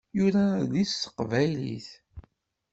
Yura adlis s teqbaylit.